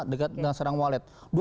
dekat dengan serang walet